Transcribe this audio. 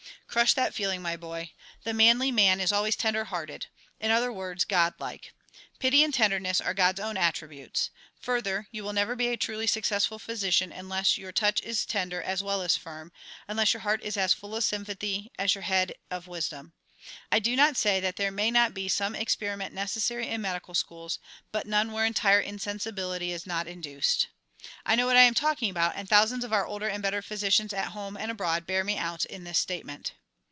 Crush that feeling, my boy; the manly man is always tender hearted; in other words, God like. Pity and tenderness are God's own attributes. Further, you will never be a truly successful physician unless your touch is tender as well as firm, unless your heart is as full of sympathy as your head of wisdom. I do not say that there may not be some experiment necessary in medical schools, but none where entire insensibility is not induced. I know what I am talking about, and thousands of our older and better physicians at home and abroad bear me out in this statement."